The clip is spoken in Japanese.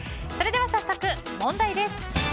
それでは早速、問題です。